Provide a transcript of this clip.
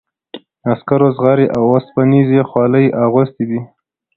عسکرو زغرې او اوسپنیزې خولۍ اغوستي دي.